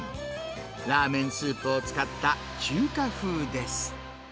ラーメンスープを使った中華風です。